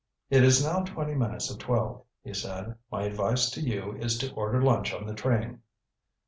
"It is now twenty minutes of twelve," he said. "My advice to you is to order lunch on the train."